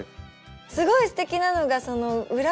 すごいすてきなのが裏。